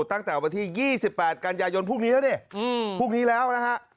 ตั้งแต่วันที่๒๘กันยายนพรุ่งนี้แล้วดิพรุ่งนี้แล้วนะฮะ